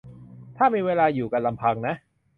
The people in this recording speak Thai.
ถ้ามีเวลาอยู่กันลำพังนะ